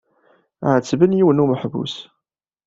Ɛettben yiwen n umeḥbus.